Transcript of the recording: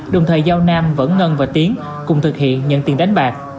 đồng thời giao nam vẫn ngân và tiến cùng thực hiện nhận tiền đánh bạc